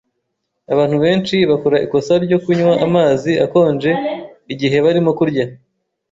Abantu benshi bakora ikosa ryo kunywa amazi akonje igihe barimo kurya.